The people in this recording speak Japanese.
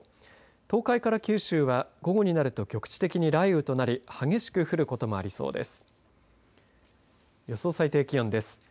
東海から九州は午後になると局地的に雷雨となり激しく降ることもありそうです。